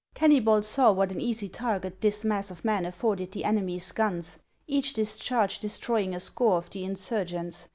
Kenny bol saw what an easy target this mass of men afforded the enemy's guns, each discharge destroying a score of the insurgents.